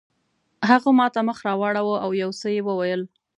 هغه ماته مخ راواړاوه او یو څه یې وویل.